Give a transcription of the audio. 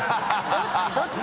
どっちどっち？